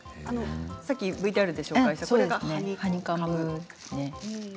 さっきＶＴＲで紹介しましたハニカム素材ですね。